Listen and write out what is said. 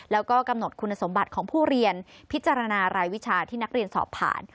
แล้วก็กำหนดคุณสมบัติของผู้เรียนพิจารณารายวิชาที่นักเรียนสอบผ่าน